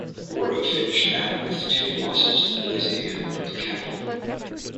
Borah finished at with two losses to Boise and one to Capital.